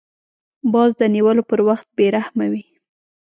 باز د نیولو پر وخت بې رحمه وي